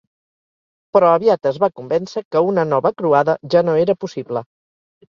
Però aviat es va convèncer que una nova croada ja no era possible.